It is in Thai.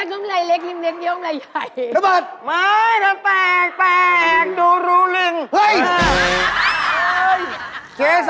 เฮ่ยเฮ่ยเฮ่ยเฮ่ยเฮ่ยเฮ่ย